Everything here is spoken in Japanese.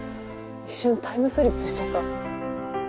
一瞬タイムスリップしちゃった。